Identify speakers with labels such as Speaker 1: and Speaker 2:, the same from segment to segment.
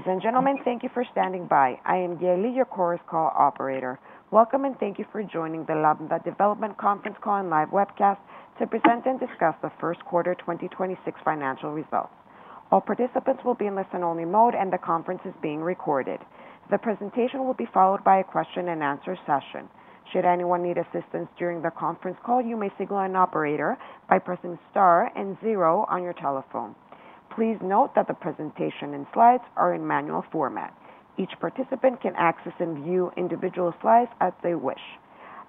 Speaker 1: Ladies and gentlemen, thank you for standing by. I am Yeli, your Chorus Call operator. Welcome, thank you for joining the LAMDA Development conference call and live webcast to present and discuss the first quarter 2026 financial results. All participants will be in listen only mode, the conference is being recorded. The presentation will be followed by a question and answer session. Should anyone need assistance during the conference call, you may signal an operator by pressing star and zero on your telephone. Please note that the presentation and slides are in manual format. Each participant can access and view individual slides as they wish.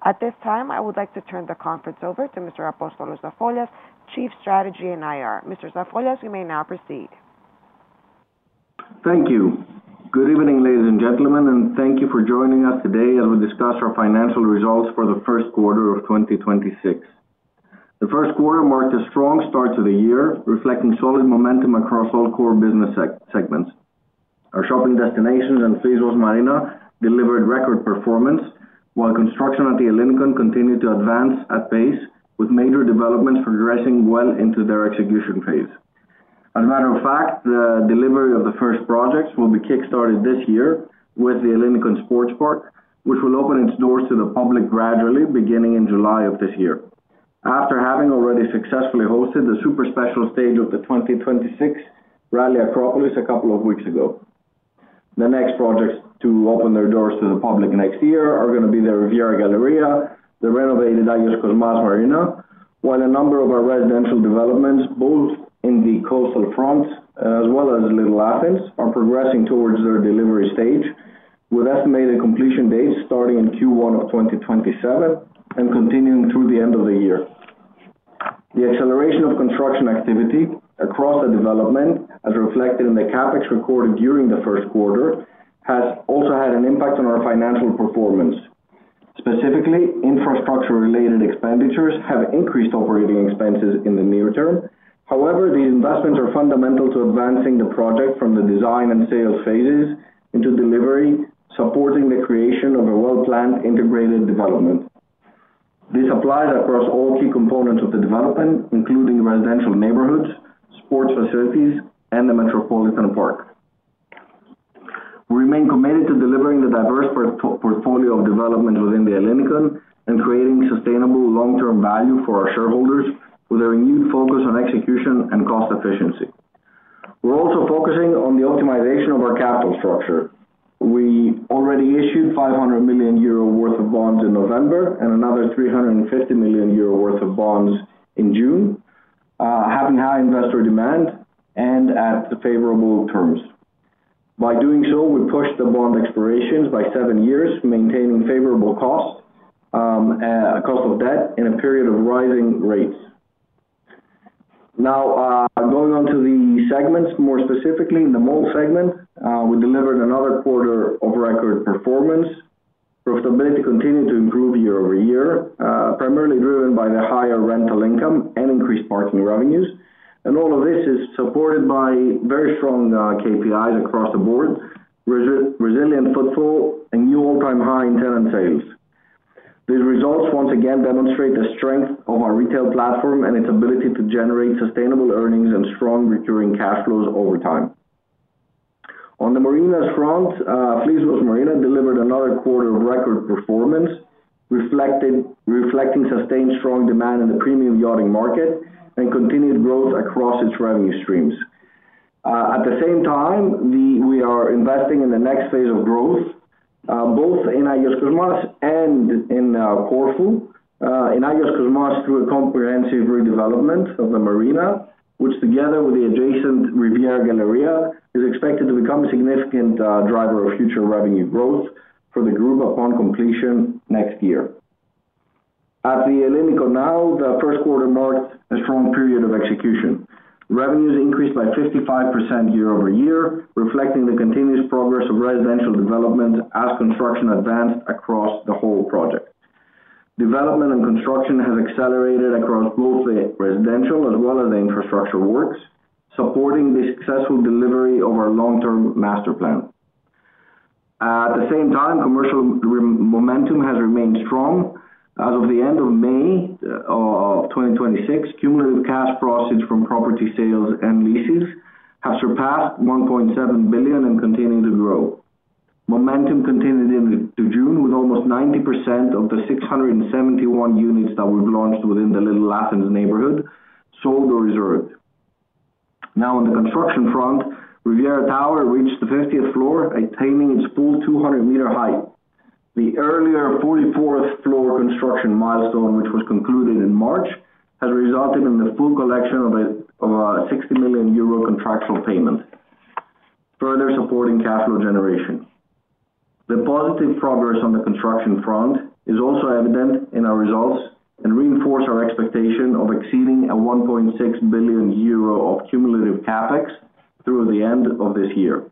Speaker 1: At this time, I would like to turn the conference over to Mr. Apostolos Zafolias, Chief Strategy and IR. Mr. Zafolias, you may now proceed.
Speaker 2: Thank you. Good evening, ladies and gentlemen, thank you for joining us today as we discuss our financial results for the first quarter of 2026. The first quarter marked a strong start to the year, reflecting solid momentum across all core business segments. Our shopping destinations and Flisvos Marina delivered record performance, while construction at The Ellinikon continued to advance at pace, with major developments progressing well into their execution phase. As a matter of fact, the delivery of the first projects will be kick-started this year with The Ellinikon Sports Park, which will open its doors to the public gradually beginning in July of this year. After having already successfully hosted the super special stage of the 2026 Acropolis Rally a couple of weeks ago. The next projects to open their doors to the public next year are going to be the Riviera Galleria, the renovated Agios Kosmas Marina, while a number of our residential developments, both in the coastal front as well as in Little Athens, are progressing towards their delivery stage with estimated completion dates starting in Q1 of 2027 and continuing through the end of the year. The acceleration of construction activity across the development, as reflected in the CapEx recorded during the first quarter, has also had an impact on our financial performance. Specifically, infrastructure related expenditures have increased operating expenses in the near term. However, the investments are fundamental to advancing the project from the design and sales phases into delivery, supporting the creation of a well-planned integrated development. This applies across all key components of the development, including residential neighborhoods, sports facilities, and the Metropolitan Park. We remain committed to delivering the diverse portfolio of development within The Ellinikon and creating sustainable long-term value for our shareholders with a renewed focus on execution and cost efficiency. We're also focusing on the optimization of our capital structure. We already issued 500 million euro worth of bonds in November and another 300 million euro worth of bonds in June, having high investor demand and at the favorable terms. By doing so, we pushed the bond expirations by seven years, maintaining favorable cost of debt in a period of rising rates. More specifically, in the mall segment, we delivered another quarter of record performance. Profitability continued to improve year-over-year, primarily driven by the higher rental income and increased parking revenues. All of this is supported by very strong KPIs across the board, resilient footfall, and new all-time high in tenant sales. These results once again demonstrate the strength of our retail platform and its ability to generate sustainable earnings and strong recurring cash flows over time. On the marinas front, Flisvos Marina delivered another quarter of record performance, reflecting sustained strong demand in the premium yachting market and continued growth across its revenue streams. At the same time, we are investing in the next phase of growth both in Agios Kosmas and in Corfu. In Agios Kosmas through a comprehensive redevelopment of the marina, which together with the adjacent Riviera Galleria, is expected to become a significant driver of future revenue growth for the group upon completion next year. At The Ellinikon now, the first quarter marked a strong period of execution. Revenues increased by 55% year-over-year, reflecting the continuous progress of residential development as construction advanced across the whole project. Development and construction has accelerated across both the residential as well as the infrastructure works, supporting the successful delivery of our long-term master plan. At the same time, commercial momentum has remained strong. As of the end of May 2026, cumulative cash proceeds from property sales and leases have surpassed 1.7 billion and continuing to grow. Momentum continued into June with almost 90% of the 671 units that we've launched within the Little Athens neighborhood sold or reserved. On the construction front, Riviera Tower reached the 50th floor, attaining its full 200-meter height. The earlier 44th floor construction milestone, which was concluded in March, has resulted in the full collection of a 60 million euro contractual payment, further supporting cash flow generation. The positive progress on the construction front is also evident in our results and reinforce our expectation of exceeding a 1.6 billion euro of cumulative CapEx through the end of this year.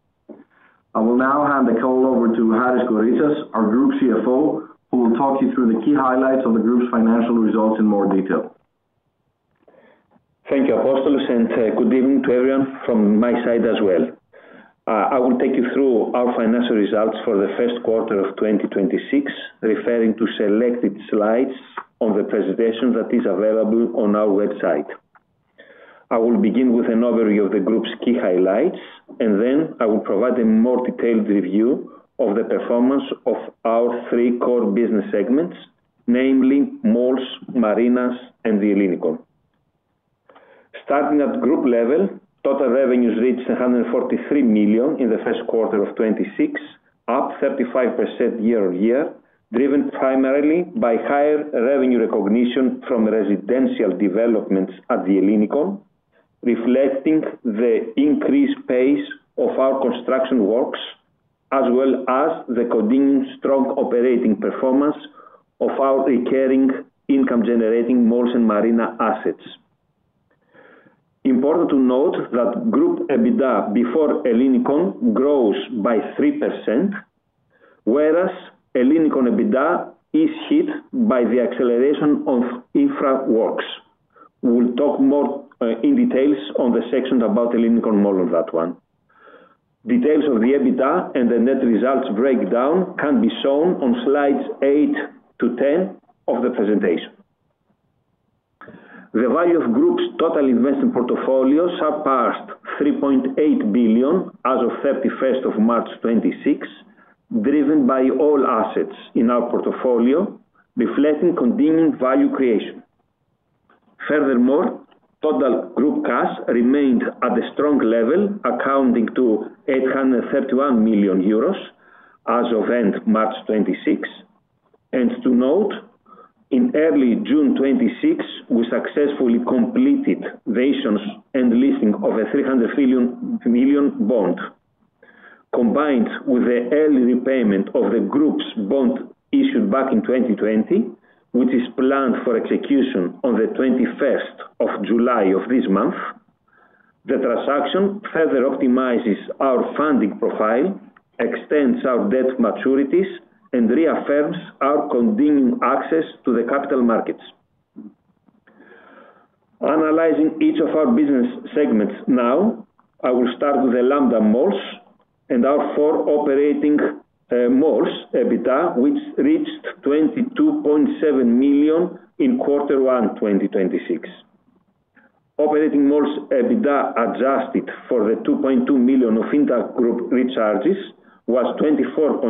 Speaker 2: I will now hand the call over to Harris Goritsas, our Group CFO, who will talk you through the key highlights of the group's financial results in more detail.
Speaker 3: Thank you, Apostolos, and good evening to everyone from my side as well. I will take you through our financial results for the first quarter 2026, referring to selected slides on the presentation that is available on our website. I will begin with an overview of the group's key highlights. Then I will provide a more detailed review of the performance of our three core business segments, namely malls, marinas and The Ellinikon. Starting at group level, total revenues reached 143 million in the first quarter of 2026, up 35% year-over-year, driven primarily by higher revenue recognition from residential developments at The Ellinikon, reflecting the increased pace of our construction works as well as the continuing strong operating performance of our recurring income generating malls and marina assets. Important to note that group EBITDA before The Ellinikon grows by 3%, whereas The Ellinikon EBITDA is hit by the acceleration of infra works. We will talk more in detail on the section about The Ellinikon Mall on that one. Details of the EBITDA and the net results breakdown can be shown on slides eight to 10 of the presentation. The value of group's total investment portfolio surpassed EUR 3.8 billion as of March 31st, 2026, driven by all assets in our portfolio, reflecting continuing value creation. Furthermore, total group cash remained at a strong level, accounting to 831 million euros as of end March 2026. To note, in early June 2026, we successfully completed the issuance and listing of a 300 million bond. Combined with the early repayment of the group's bond issued back in 2020, which is planned for execution on the 21st of July of this month, the transaction further optimizes our funding profile, extends our debt maturities, and reaffirms our continuing access to the capital markets. Analyzing each of our business segments now, I will start with the LAMDA Malls and our four operating malls EBITDA, which reached 22.7 million in quarter one 2026. Operating malls EBITDA, adjusted for the 2.2 million of intragroup recharges, was 24.9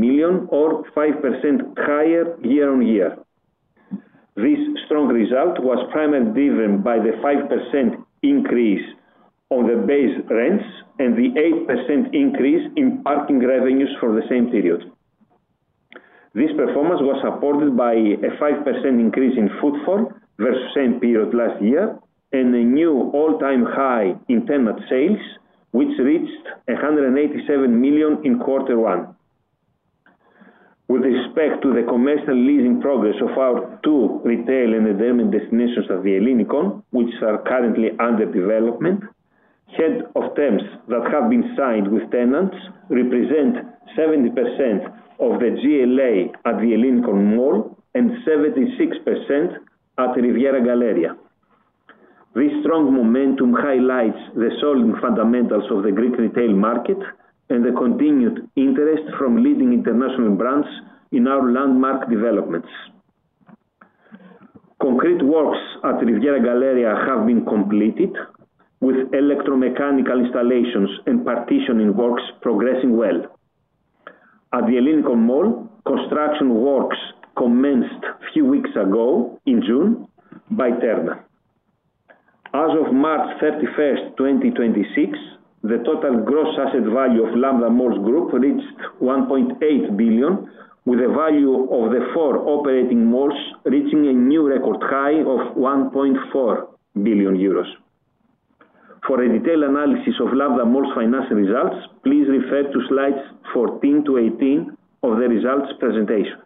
Speaker 3: million or 5% higher year-on-year. This strong result was primarily driven by the 5% increase on the base rents and 8% increase in parking revenues for the same period. This performance was supported by a 5% increase in footfall versus same period last year, and a new all-time high in tenant sales, which reached 187 million in quarter one. With respect to the commercial leasing progress of our two retail and entertainment destinations at The Ellinikon, which are currently under development, Head of Terms that have been signed with tenants represent 70% of the GLA at The Ellinikon Mall and 76% at Riviera Galleria. This strong momentum highlights the solid fundamentals of the Greek retail market and the continued interest from leading international brands in our landmark developments. Concrete works at Riviera Galleria have been completed with electromechanical installations and partitioning works progressing well. At The Ellinikon Mall, construction works commenced a few weeks ago in June by Terna S.A. As of March 31st, 2026, the total gross asset value of LAMDA Malls Group reached 1.8 billion, with a value of the four operating malls reaching a new record high of 1.4 billion euros. For a detailed analysis of LAMDA Malls financial results, please refer to slides 14 to 18 of the results presentation.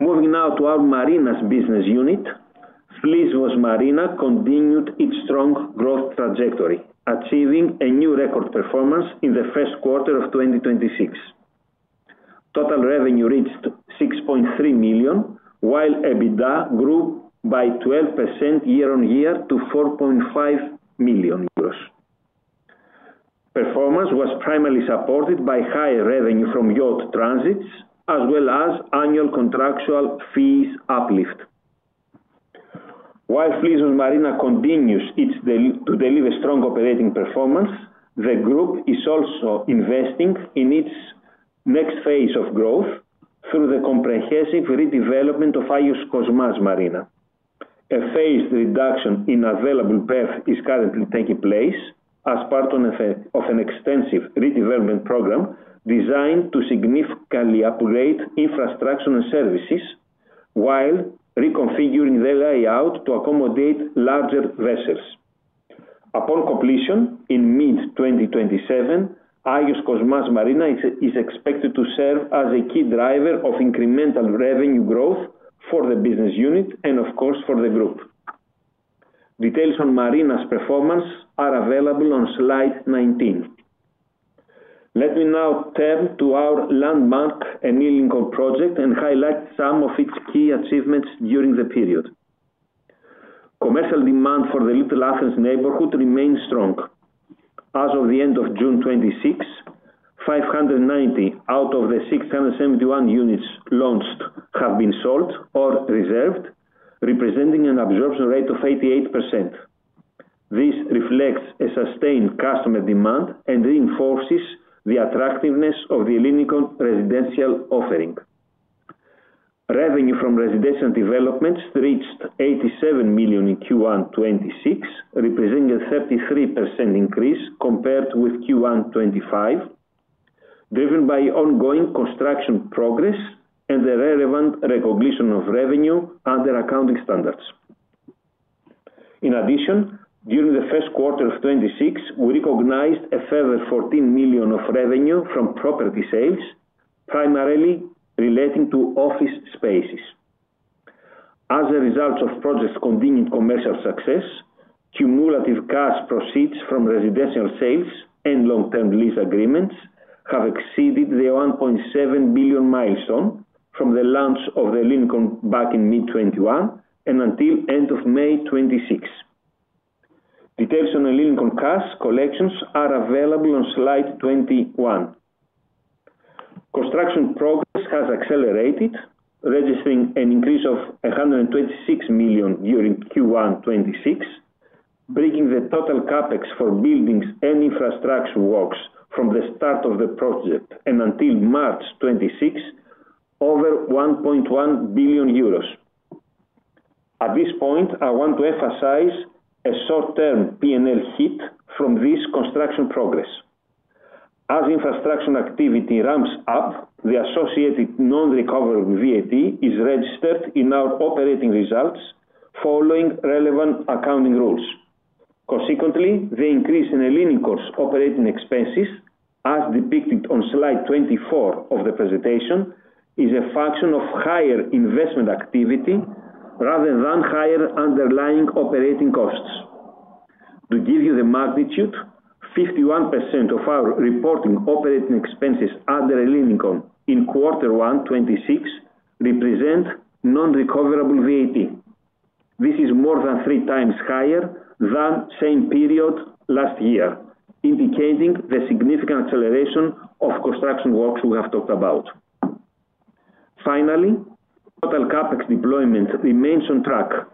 Speaker 3: Moving now to our marinas business unit, Flisvos Marina continued its strong growth trajectory, achieving a new record performance in the first quarter of 2026. Total revenue reached 6.3 million, while EBITDA grew by 12% year-on-year to 4.5 million euros. Performance was primarily supported by higher revenue from yacht transits, as well as annual contractual fees uplift. While Flisvos Marina continues to deliver strong operating performance, the group is also investing in its next phase of growth through the comprehensive redevelopment of Agios Kosmas Marina. A phased reduction in available berth is currently taking place as part of an extensive redevelopment program designed to significantly upgrade infrastructure and services while reconfiguring the layout to accommodate larger vessels. Upon completion in mid-2027, Agios Kosmas Marina is expected to serve as a key driver of incremental revenue growth for the business unit and, of course, for the group. Details on marinas performance are available on slide 19. Let me now turn to our landmark Ellinikon project and highlight some of its key achievements during the period. Commercial demand for the Little Athens neighborhood remains strong. As of the end of June 2026, 590 out of the 671 units launched have been sold or reserved, representing an absorption rate of 88%. This reflects a sustained customer demand and reinforces the attractiveness of the Ellinikon residential offering. Revenue from residential developments reached 87 million in Q1 2026, representing a 33% increase compared with Q1 2025, driven by ongoing construction progress and the relevant recognition of revenue under accounting standards. In addition, during the first quarter of 2026, we recognized a further 14 million of revenue from property sales, primarily relating to office spaces. As a result of projects' continued commercial success, cumulative cash proceeds from residential sales and long-term lease agreements have exceeded the 1.7 billion milestone from the launch of Ellinikon back in mid-2021, and until end of May 2026. Details on Ellinikon cash collections are available on slide 21. Construction progress has accelerated, registering an increase of 126 million during Q1 2026, bringing the total CapEx for buildings and infrastructure works from the start of the project and until March 2026, over 1.1 billion euros. At this point, I want to emphasize a short-term P&L hit from this construction progress. As infrastructure activity ramps up, the associated non-recoverable VAT is registered in our operating results following relevant accounting rules. Consequently, the increase in Ellinikon's operating expenses, as depicted on slide 24 of the presentation, is a function of higher investment activity rather than higher underlying operating costs. To give you the magnitude, 51% of our reporting operating expenses under Ellinikon in quarter one 2026 represent non-recoverable VAT. This is more than three times higher than same period last year, indicating the significant acceleration of construction works we have talked about. Finally, total CapEx deployment remains on track.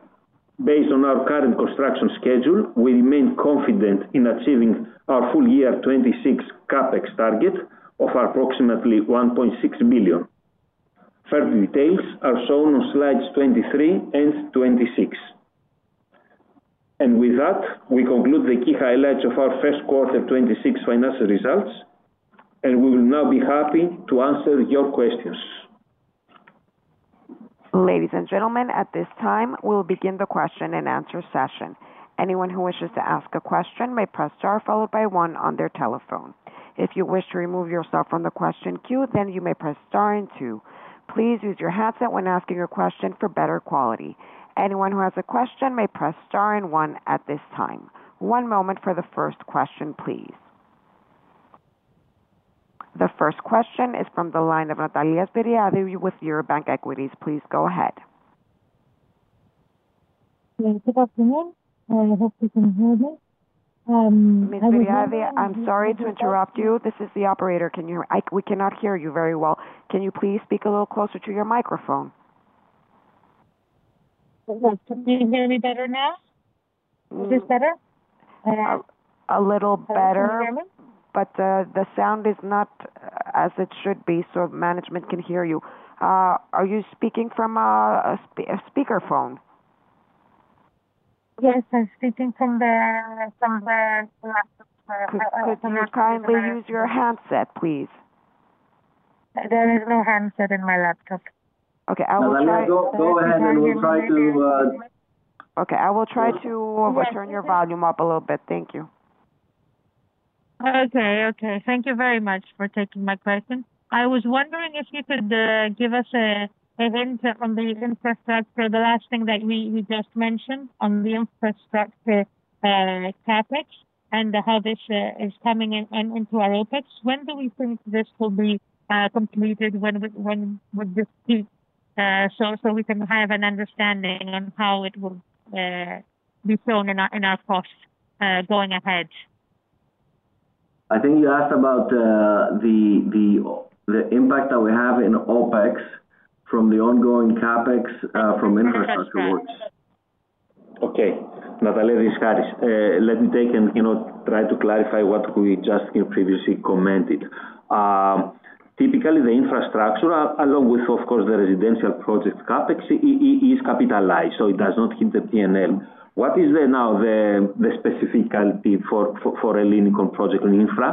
Speaker 3: Based on our current construction schedule, we remain confident in achieving our full year 2026 CapEx target of approximately 1.6 billion. Further details are shown on slides 23 and 26. With that, we conclude the key highlights of our first quarter 2026 financial results, and we will now be happy to answer your questions.
Speaker 1: Ladies and gentlemen, at this time, we'll begin the question and answer session. Anyone who wishes to ask a question may press star followed by one on their telephone. If you wish to remove yourself from the question queue, you may press star and two. Please use your headset when asking your question for better quality. Anyone who has a question may press star and one at this time. One moment for the first question, please. The first question is from the line of Natalia Svyriadi with Eurobank Equities. Please go ahead.
Speaker 4: Good afternoon. I hope you can hear me.
Speaker 1: Ms. Svyriadi, I'm sorry to interrupt you. This is the operator. We cannot hear you very well. Can you please speak a little closer to your microphone?
Speaker 4: Can you hear me better now? Is this better?
Speaker 1: A little better.
Speaker 4: Can you hear me?
Speaker 1: The sound is not as it should be so management can hear you. Are you speaking from a speakerphone?
Speaker 4: Yes, I'm speaking from the laptop microphone.
Speaker 1: Could you kindly use your handset, please?
Speaker 4: There is no handset in my laptop.
Speaker 1: Okay, I will try- Go ahead and we'll try to- Okay. I will try to turn your volume up a little bit. Thank you.
Speaker 4: Okay. Thank you very much for taking my question. I was wondering if you could give us a hint on the infrastructure, the last thing that we just mentioned on the infrastructure CapEx. How this is coming into our OpEx. When do we think this will be completed? When would this be, so we can have an understanding on how it will be shown in our costs going ahead?
Speaker 2: I think you asked about the impact that we have in OpEx from the ongoing CapEx from infrastructure works.
Speaker 4: Yes.
Speaker 3: Okay, Natalia. This is Harris. Let me take and try to clarify what we just previously commented. Typically, the infrastructure, along with, of course, the residential project CapEx, is capitalized. It does not hit the P&L. What is now the specificity for Ellinikon project on infra?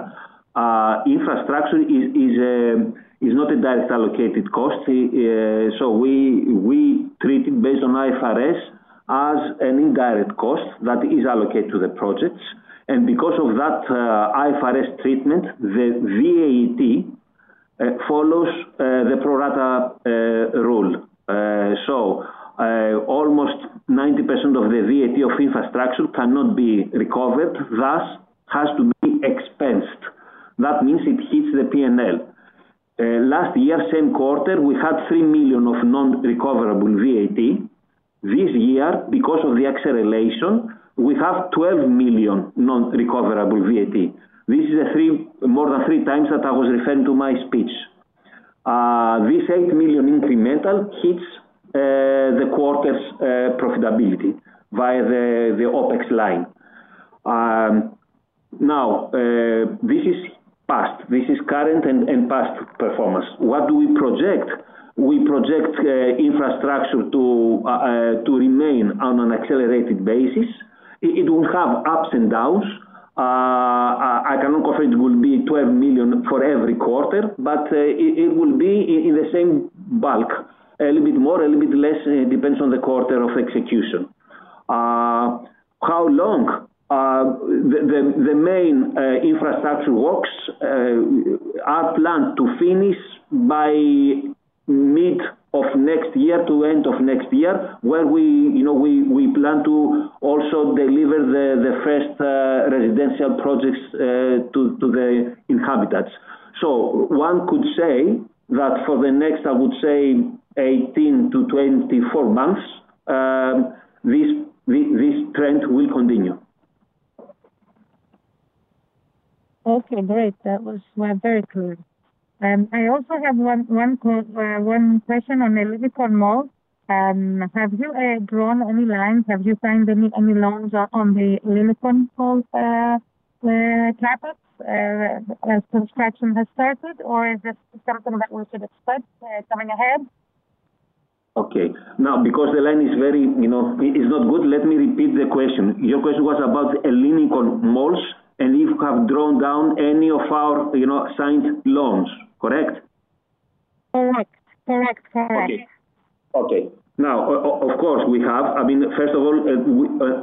Speaker 3: Infrastructure is not a direct allocated cost, so we treat it based on IFRS as an indirect cost that is allocated to the projects. Because of that IFRS treatment, the VAT follows the pro rata rule. Almost 90% of the VAT of infrastructure cannot be recovered, thus has to be expensed. It means it hits the P&L. Last year, same quarter, we had 3 million of non-recoverable VAT. This year, because of the acceleration, we have 12 million non-recoverable VAT. This is more than three times that I was referring to my speech. This EUR 8 million incremental hits the quarter's profitability via the OpEx line. This is past. This is current and past performance. What do we project? We project infrastructure to remain on an accelerated basis. It will have ups and downs. I cannot confirm it will be 12 million for every quarter, but it will be in the same bulk, a little bit more, a little bit less. It depends on the quarter of execution. How long? The main infrastructure works are planned to finish by mid of next year to end of next year, where we plan to also deliver the first residential projects to the inhabitants. One could say that for the next, I would say 18-24 months, this trend will continue.
Speaker 4: Great. That was very clear. I also have one question on The Ellinikon Mall. Have you drawn any lines? Have you signed any loans on The Ellinikon Mall, Odisseas? Construction has started, or is this something that we should expect coming ahead?
Speaker 3: Because the line is not good, let me repeat the question. Your question was about The Ellinikon Mall, and if we have drawn down any of our signed loans. Correct?
Speaker 4: Correct.
Speaker 3: Of course, we have. First of all,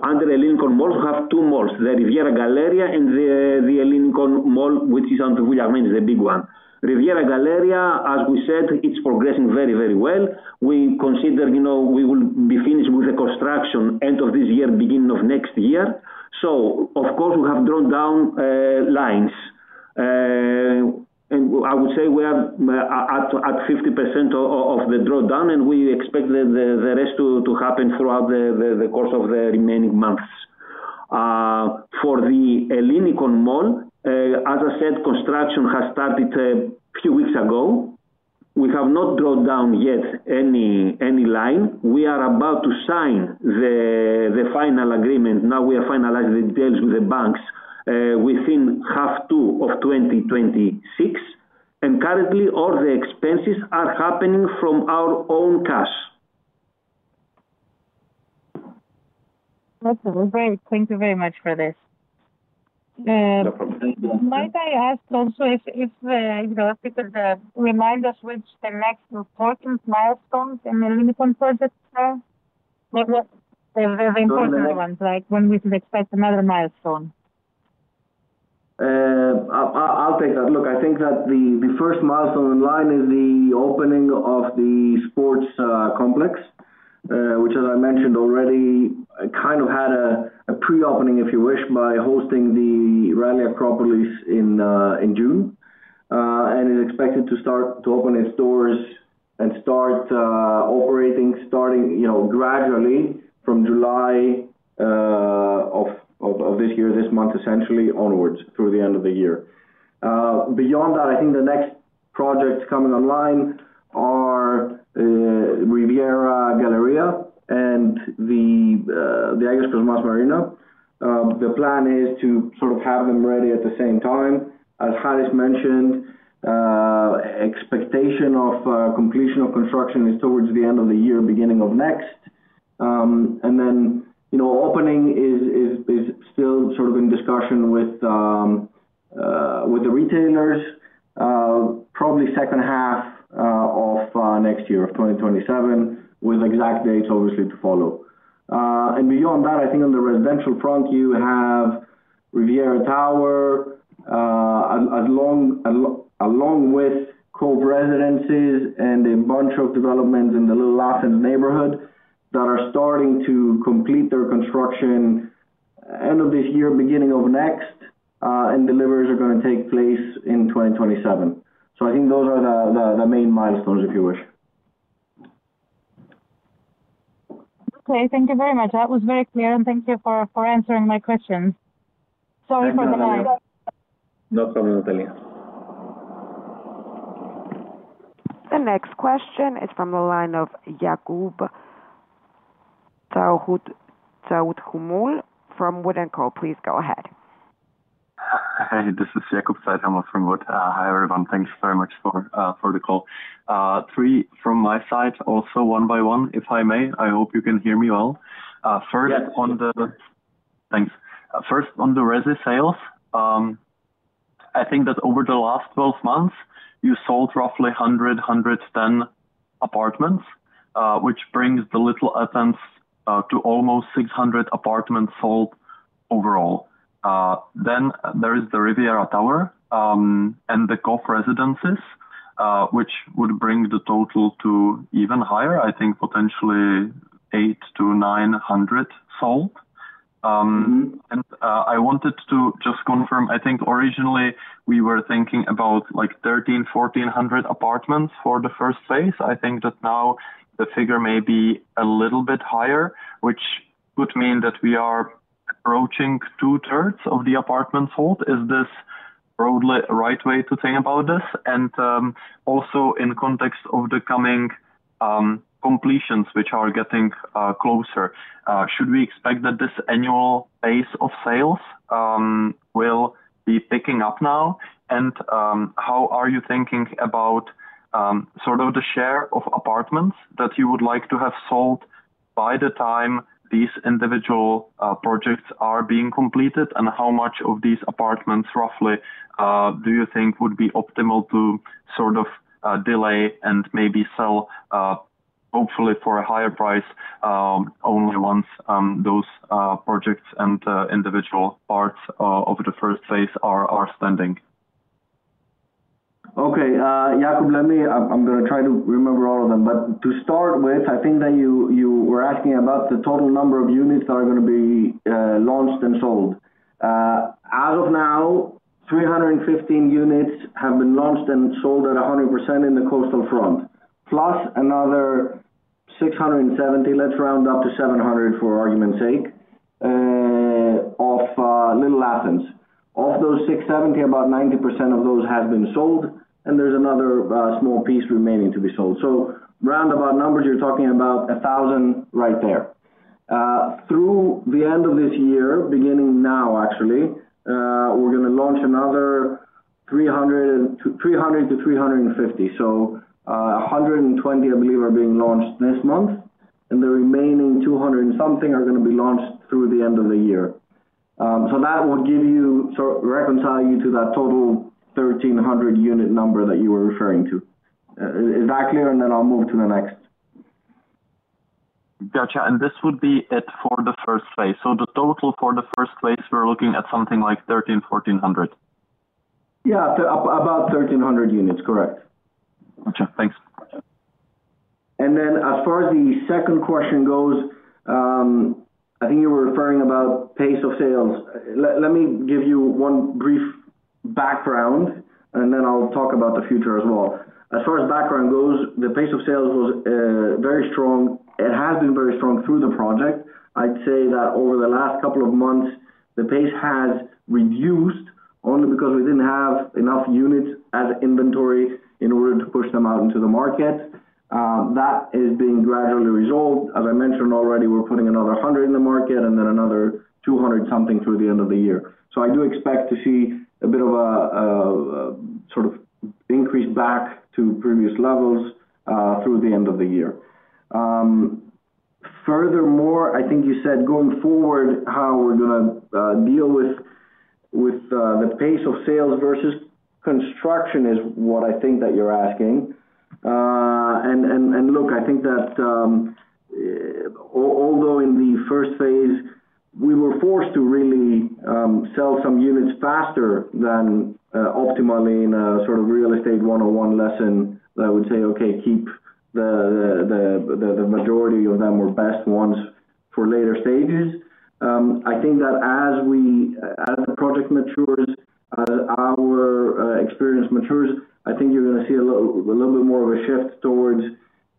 Speaker 3: under The Ellinikon Mall, we have two malls, the Riviera Galleria and The Ellinikon Mall, which is under construction, the big one. Riviera Galleria, as we said, it is progressing very well. We consider we will be finished with the construction end of this year, beginning of next year. Of course, we have drawn down lines. I would say we are at 50% of the drawdown, and we expect the rest to happen throughout the course of the remaining months. For The Ellinikon Mall, as I said, construction has started a few weeks ago. We have not drawn down yet any line. We are about to sign the final agreement. We are finalizing the deals with the banks within half two of 2026. Currently, all the expenses are happening from our own cash.
Speaker 4: Thank you very much for this.
Speaker 3: No problem.
Speaker 4: Might I ask also if you could remind us which the next important milestones in The Ellinikon projects are? The important ones, when we should expect another milestone.
Speaker 2: I'll take that. Look, I think that the first milestone in line is the opening of the sports complex, which as I mentioned already, kind of had a pre-opening, if you wish, by hosting the Acropolis Rally in June, and is expected to start to open its doors and start operating gradually from July of this year, this month, essentially, onwards through the end of the year. Beyond that, I think the next projects coming online are Riviera Galleria and the Agios Kosmas Marina. The plan is to have them ready at the same time. As Harris mentioned, expectation of completion of construction is towards the end of the year, beginning of next. Then, opening is still in discussion with the retailers, probably second half of next year, of 2027, with exact dates, obviously, to follow. Beyond that, I think on the residential front, you have Riviera Tower, along with Cove Residences and a bunch of developments in the Little Athens neighborhood that are starting to complete their construction end of this year, beginning of next, and deliveries are going to take place in 2027. I think those are the main milestones, if you wish.
Speaker 4: Okay. Thank you very much. That was very clear, and thank you for answering my questions. Sorry for the line.
Speaker 3: No problem, Natalia.
Speaker 1: The next question is from the line of Jakub Caithaml from Wood & Company. Please go ahead.
Speaker 5: Hi, this is Jakub Caithaml from Wood. Hi, everyone. Thanks very much for the call. Three from my side, also one by one, if I may. I hope you can hear me well.
Speaker 2: Yes.
Speaker 5: Thanks. First, on the resi sales, I think that over the last 12 months, you sold roughly 100, 110 apartments, which brings the Little Athens to almost 600 apartments sold overall. Then there is the Riviera Tower, and the Cove Residences, which would bring the total to even higher, I think potentially eight to 900 sold. I wanted to just confirm, I think originally we were thinking about 1,300, 1,400 apartments for the first phase. I think that now the figure may be a little bit higher, which would mean that we are approaching two-thirds of the apartments hold. Is this right way to think about this? Also in context of the coming completions, which are getting closer, should we expect that this annual pace of sales will be picking up now? How are you thinking about the share of apartments that you would like to have sold by the time these individual projects are being completed? How much of these apartments, roughly, do you think would be optimal to delay and maybe sell, hopefully, for a higher price, only once those projects and individual parts of the first phase are standing?
Speaker 2: Okay. Jakub, I'm going to try to remember all of them. To start with, I think that you were asking about the total number of units that are going to be launched and sold. Out of now, 315 units have been launched and sold at 100% in the Coastal Front. Plus another 670, let's round up to 700 for argument's sake, of Little Athens. Of those 670, about 90% of those have been sold, and there's another small piece remaining to be sold. Roundabout numbers, you're talking about 1,000 right there. Through the end of this year, beginning now, actually, we're going to launch another 300-350. 120, I believe, are being launched this month, and the remaining 200 and something are going to be launched through the end of the year. That will reconcile you to that total 1,300 unit number that you were referring to. Is that clear? Then I'll move to the next.
Speaker 5: Got you. This would be it for the first phase? The total for the first phase, we're looking at something like 1,300, 1,400.
Speaker 2: Yeah. About 1,300 units. Correct.
Speaker 5: Got you. Thanks.
Speaker 2: As far as the second question goes, I think you were referring about pace of sales. Let me give you one brief background, then I'll talk about the future as well. As far as background goes, the pace of sales was very strong. It has been very strong through the project. I'd say that over the last couple of months, the pace has reduced only because we didn't have enough units as inventory in order to push them out into the market. That is being gradually resolved. As I mentioned already, we're putting another 100 in the market, then another 200 something through the end of the year. I do expect to see a bit of increase back to previous levels, through the end of the year. Furthermore, I think you said going forward, how we're going to deal with the pace of sales versus construction is what I think that you're asking. Look, I think that although in the first phase, we were forced to really sell some units faster than optimally in a real estate 101 lesson that would say, "Okay, keep the majority of them or best ones for later stages." I think that as the project matures, as our experience matures, I think you're going to see a little bit more of a shift towards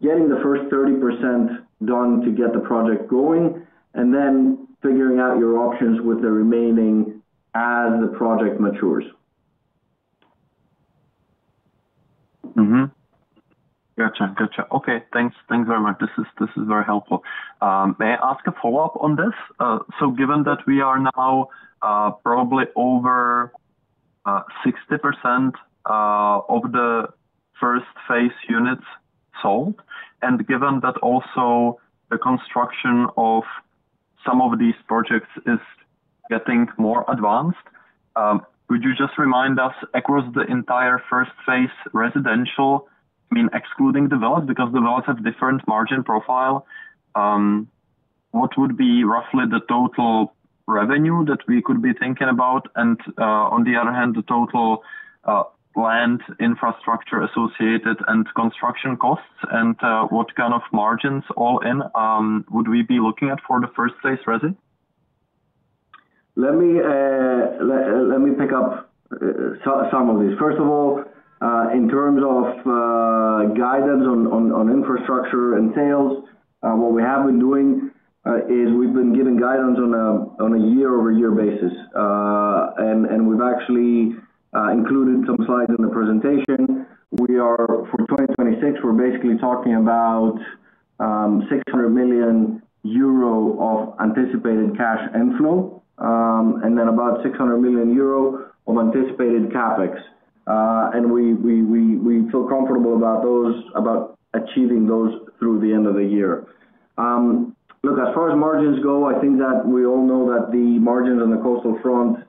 Speaker 2: getting the first 30% done to get the project going, then figuring out your options with the remaining as the project matures.
Speaker 5: Mm-hmm. Got you. Okay. Thanks very much. This is very helpful. May I ask a follow-up on this? Given that we are now probably over 60% of the first phase units sold, and given that also the construction of some of these projects is getting more advanced, would you just remind us across the entire first phase residential, excluding the village, because the village has different margin profile. What would be roughly the total revenue that we could be thinking about? On the other hand, the total planned infrastructure associated and construction costs, and what kind of margins, all in, would we be looking at for the first phase resi?
Speaker 2: Let me pick up some of these. First of all, in terms of guidance on infrastructure and sales, what we have been doing is we've been giving guidance on a year-over-year basis. We've actually included some slides in the presentation. For 2026, we're basically talking about 600 million euro of anticipated cash inflow, then about 600 million euro of anticipated CapEx. We feel comfortable about achieving those through the end of the year. Look, as far as margins go, I think that we all know that the margins on the Coastal Front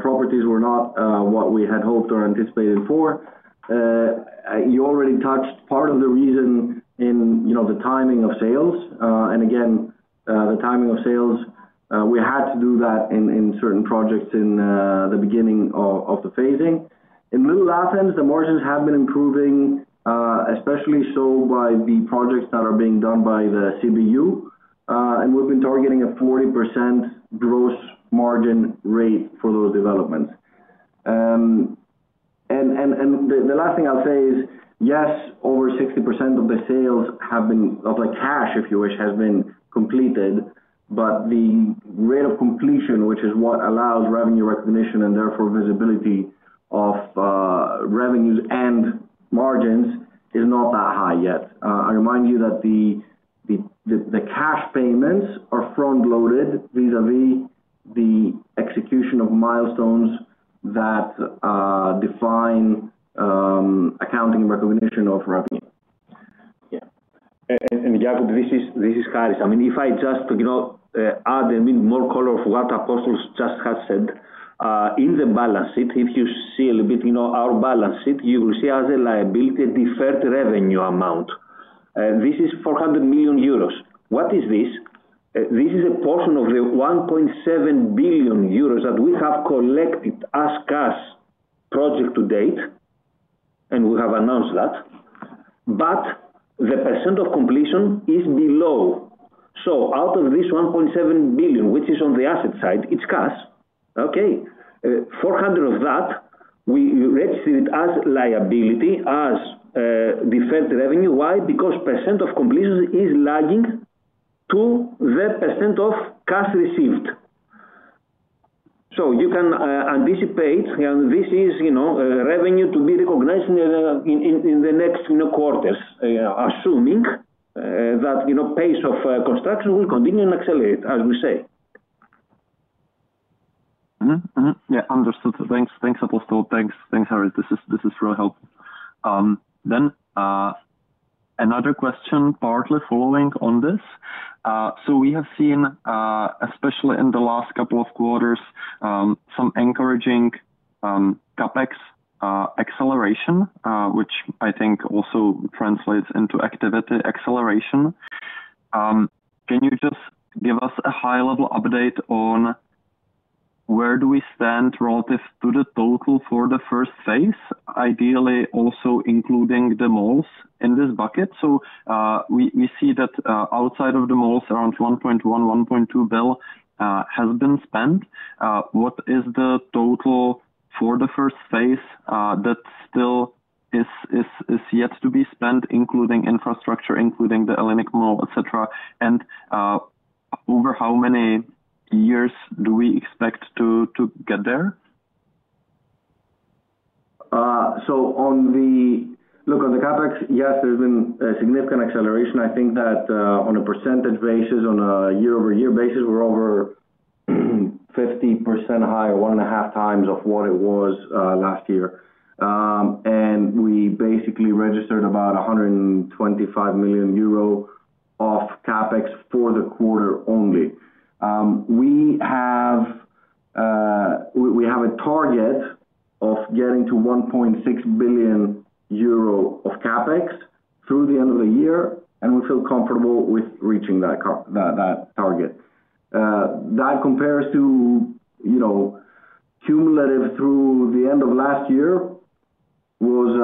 Speaker 2: properties were not what we had hoped or anticipated for. You already touched part of the reason in the timing of sales. Again, the timing of sales, we had to do that in certain projects in the beginning of the phasing. In Little Athens, the margins have been improving, especially so by the projects that are being done by the CBU. We've been targeting a 40% gross margin rate for those developments. The last thing I'll say is, yes, over 60% of the sales have been, of the cash, if you wish, has been completed, but the rate of completion, which is what allows revenue recognition and therefore visibility of revenues and margins, is not that high yet. I remind you that the cash payments are front-loaded vis-a-vis the execution of milestones that define accounting recognition of revenue.
Speaker 3: Yeah. Jakub, this is Harris. If I just add a bit more color of what Apostolos just has said. In the balance sheet, if you see a little bit our balance sheet, you will see as a liability, deferred revenue amount. This is 400 million euros. What is this? This is a portion of the 1.7 billion euros that we have collected as cash project to date, and we have announced that. The percent of completion is below. Out of this 1.7 billion, which is on the asset side, it's cash. Okay? 400 of that, we registered as liability, as deferred revenue. Why? Because percent of completion is lagging to the percent of cash received. You can anticipate this is revenue to be recognized in the next quarters, assuming that pace of construction will continue and accelerate, as we say.
Speaker 5: Yeah. Understood. Thanks, Apostolos. Thanks, Harris. This is really helpful. Another question partly following on this. We have seen, especially in the last couple of quarters, some encouraging CapEx acceleration, which I think also translates into activity acceleration. Can you just give us a high-level update on where do we stand relative to the total for the first phase, ideally also including the malls in this bucket? We see that outside of the malls, around 1.1 billion-1.2 billion has been spent. What is the total for the first phase that still is yet to be spent, including infrastructure, including The Ellinikon Mall, et cetera, and over how many years do we expect to get there?
Speaker 2: Look, on the CapEx, yes, there's been a significant acceleration. I think that on a percentage basis, on a year-over-year basis, we're over 50% high or one and a half times of what it was last year. We basically registered about 125 million euro of CapEx for the quarter only. We have a target of getting to 1.6 billion euro of CapEx through the end of the year, and we feel comfortable with reaching that target. That compares to cumulative through the end of last year, was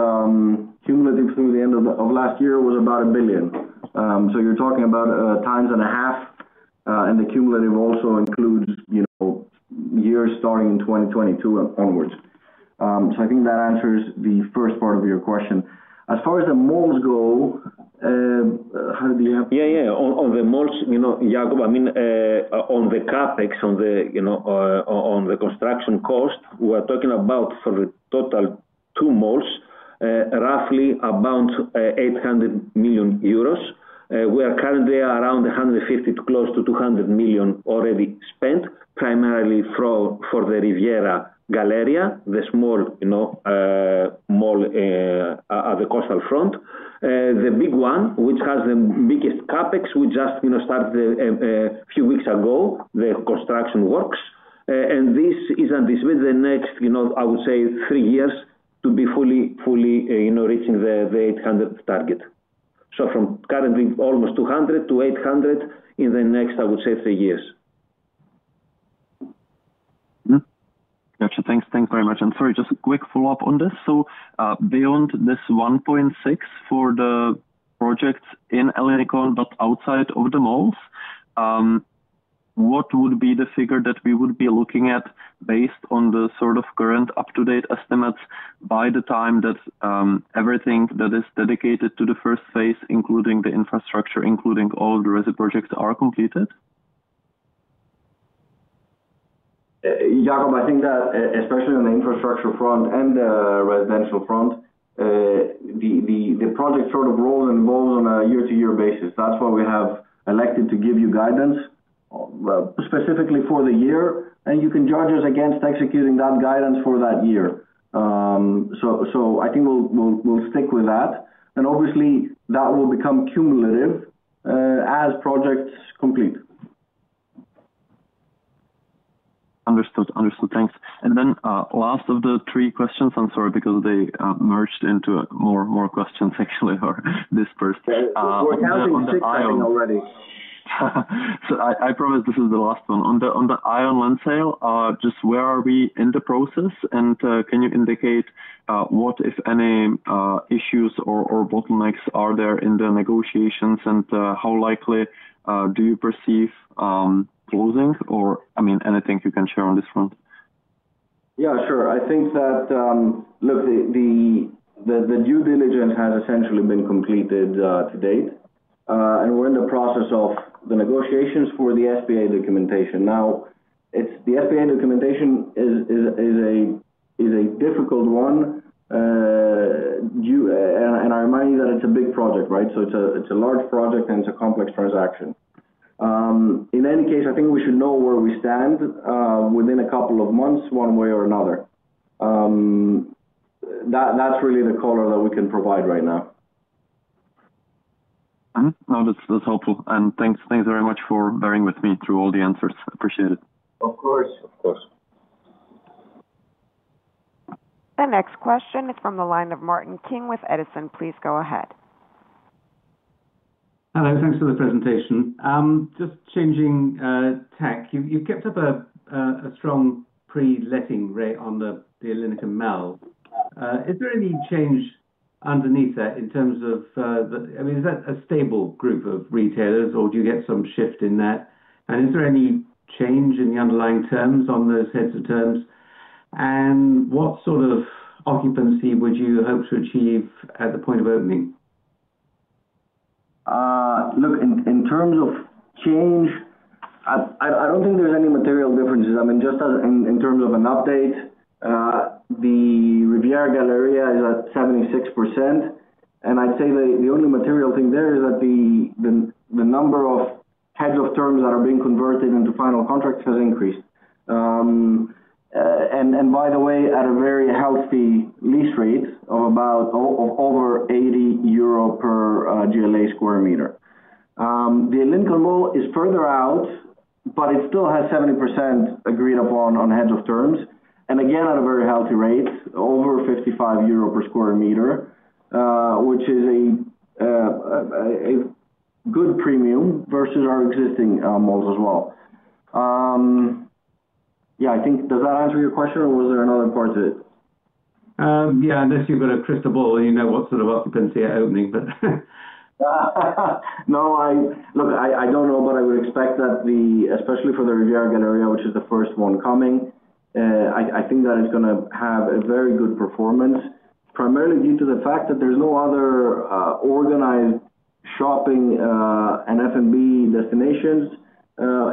Speaker 2: about 1 billion. You're talking about times and a half, and the cumulative also includes years starting in 2022 onwards. I think that answers the first part of your question. As far as the malls go, Harris, do you have-
Speaker 3: On the malls, Jakub, on the CapEx, on the construction cost, we're talking about for the total two malls, roughly about 800 million euros. We are currently around 150 million to close to 200 million already spent, primarily for the Riviera Galleria, the small mall at the coastal front. The big one, which has the biggest CapEx, we just started a few weeks ago, the construction works. This is anticipated the next, I would say, three years to be fully reaching the 800 target. So from currently almost 200 to 800 in the next, I would say, three years.
Speaker 5: Got you. Thanks very much. Sorry, just a quick follow-up on this. Beyond this 1.6 billion for the projects in The Ellinikon, but outside of the malls, what would be the figure that we would be looking at based on the current up-to-date estimates by the time that everything that is dedicated to the first phase, including the infrastructure, including all of the resid projects, are completed?
Speaker 2: Jakub, I think that, especially on the infrastructure front and the residential front, the project sort of rolls and rolls on a year-to-year basis. That's why we have elected to give you guidance specifically for the year, and you can judge us against executing that guidance for that year. I think we'll stick with that. Obviously, that will become cumulative as projects complete.
Speaker 5: Understood. Thanks. Then, last of the three questions, I'm sorry, because they merged into more questions actually, or dispersed.
Speaker 2: We're counting six already.
Speaker 5: I promise this is the last one. On the island land sale, just where are we in the process, and can you indicate what, if any, issues or bottlenecks are there in the negotiations, and how likely do you perceive closing or anything you can share on this front?
Speaker 2: Yeah, sure. I think that the due diligence has essentially been completed to date, and we're in the process of the negotiations for the SPA documentation. The SPA documentation is a difficult one. I remind you that it's a big project, right? It's a large project and it's a complex transaction. In any case, I think we should know where we stand within a couple of months, one way or another. That's really the color that we can provide right now.
Speaker 5: Mm-hmm. No, that's helpful. Thanks very much for bearing with me through all the answers. Appreciate it.
Speaker 2: Of course.
Speaker 1: The next question is from the line of Martyn King with Edison. Please go ahead.
Speaker 6: Hello. Thanks for the presentation. Just changing tack. You've kept up a strong pre-letting rate on The Ellinikon Mall. Is that a stable group of retailers, or do you get some shift in that? Is there any change in the underlying terms on those heads of terms? What sort of occupancy would you hope to achieve at the point of opening?
Speaker 2: Look, in terms of change, I don't think there's any material differences. Just in terms of an update, the Riviera Galleria is at 76%, and I'd say the only material thing there is that the number of heads of terms that are being converted into final contracts has increased. By the way, at a very healthy lease rate of over 80 euro per GLA square meter. The Ellinikon Mall is further out, but it still has 70% agreed upon on heads of terms. Again, at a very healthy rate, over 55 euro per square meter, which is a good premium versus our existing malls as well. Does that answer your question, or was there another part to it?
Speaker 6: Yeah, unless you've got a crystal ball, you know what sort of occupancy at opening.
Speaker 2: No. Look, I don't know. I would expect that, especially for the Riviera Galleria, which is the first one coming, I think that it's going to have a very good performance, primarily due to the fact that there's no other organized shopping and F&B destinations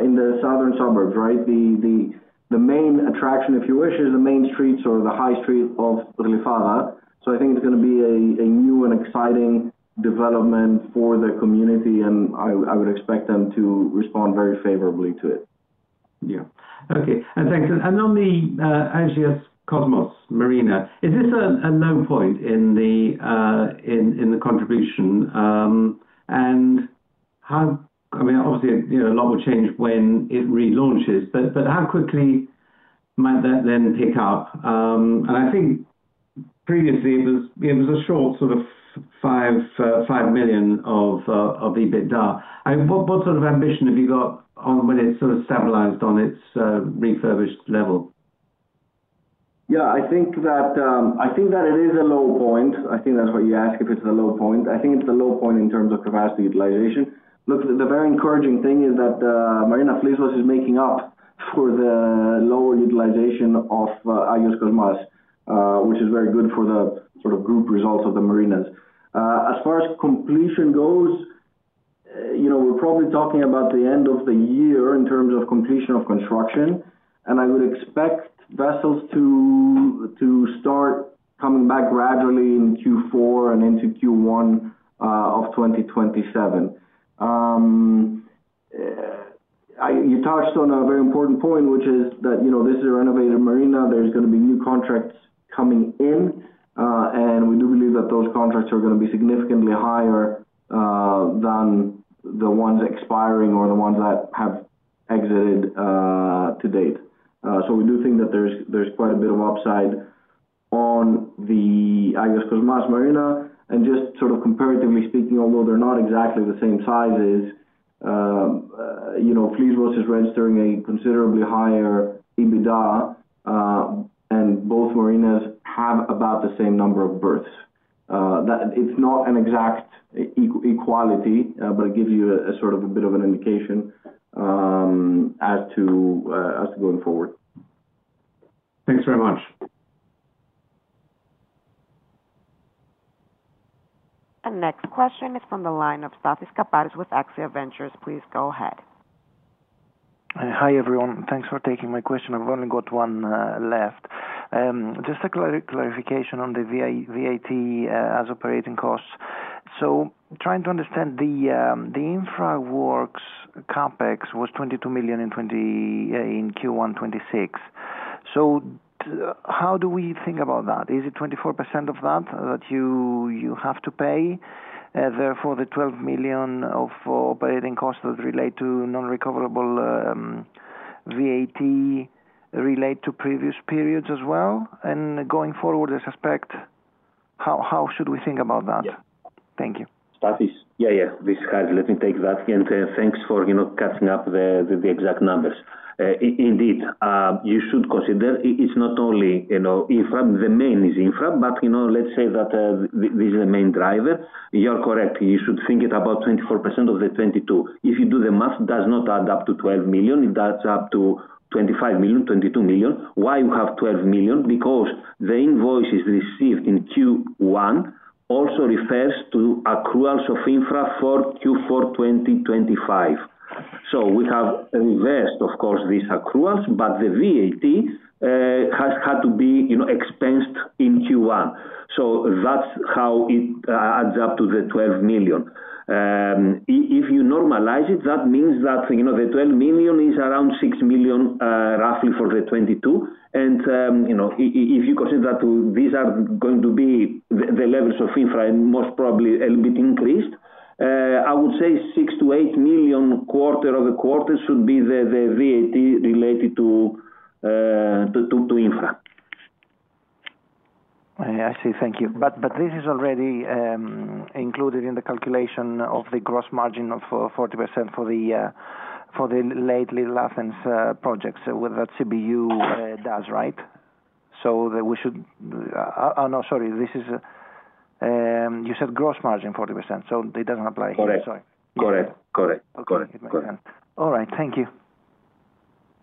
Speaker 2: in the southern suburbs, right? The main attraction, if you wish, is the main streets or the high street of Glyfada. I think it's going to be a new and exciting development for the community, and I would expect them to respond very favorably to it.
Speaker 6: Yeah. Okay. Thanks. On the Agios Kosmas Marina, is this a low point in the contribution? Obviously, a lot will change when it relaunches, but how quickly might that then pick up? I think previously, it was a short sort of 5 million of EBITDA. What sort of ambition have you got on when it's stabilized on its refurbished level?
Speaker 2: Yeah, I think that it is a low point. I think that's what you asked, if it's a low point. I think it's a low point in terms of capacity utilization. Look, the very encouraging thing is that Marina Flisvos is making up for the lower utilization of Agios Kosmas, which is very good for the group results of the marinas. As far as completion goes, we're probably talking about the end of the year in terms of completion of construction, and I would expect vessels to start coming back gradually in Q4 and into Q1 of 2027. You touched on a very important point, which is that this is a renovated marina. There's going to be new contracts coming in, and we do believe that those contracts are going to be significantly higher than the ones expiring or the ones that have exited to date. We do think that there's quite a bit of upside on the Agios Kosmas Marina. Just comparatively speaking, although they're not exactly the same sizes, Flisvos is registering a considerably higher EBITDA, both marinas have about the same number of berths. It's not an exact equality, it gives you a bit of an indication as to going forward.
Speaker 6: Thanks very much.
Speaker 1: Our next question is from the line of Stathis Kaparis with Axia Ventures. Please go ahead.
Speaker 7: Hi, everyone. Thanks for taking my question. I've only got one left. Just a clarification on the VAT as operating costs. Trying to understand the infraworks CapEx was 22 million in Q1 2026. How do we think about that? Is it 24% of that you have to pay, therefore the 12 million of operating costs that relate to non-recoverable VAT relate to previous periods as well? Going forward, I suspect, how should we think about that?
Speaker 3: Yeah.
Speaker 7: Thank you.
Speaker 3: Stathis? Yeah. This is Harris. Let me take that. Thanks for cutting up the exact numbers. Indeed, you should consider it's not only infra. The main is infra, but let's say that this is the main driver. You are correct. You should think it about 24% of the 22. If you do the math, does not add up to 12 million. It adds up to 25 million, 22 million. Why you have 12 million? Because the invoices received in Q1 also refers to accruals of infra for Q4 2025. We have reversed, of course, these accruals, but the VAT has had to be expensed in Q1. That's how it adds up to the 12 million. If you normalize it, that means that the 12 million is around 6 million, roughly for the 22. If you consider that these are going to be the levels of infra and most probably a bit increased, I would say 6 million-8 million quarter-over-quarter should be the VAT related to infra.
Speaker 7: I see. Thank you. This is already included in the calculation of the gross margin of 40% for the Little Athens projects that CBU does, right? Oh, no, sorry. You said gross margin 40%, it doesn't apply here. Sorry.
Speaker 3: Correct.
Speaker 7: Okay. It makes sense. All right. Thank you.